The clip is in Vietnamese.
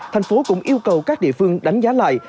thành phố cũng yêu cầu các địa phương đánh giá lại